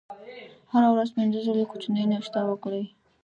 هره ورځ پنځه ځلې کوچنۍ ناشته وکړئ.